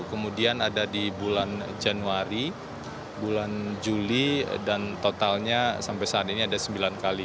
kemudian ada di bulan januari bulan juli dan totalnya sampai saat ini ada sembilan kali